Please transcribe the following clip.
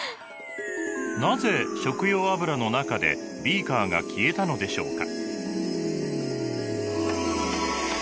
なぜ食用油の中でビーカーが消えたのでしょうか？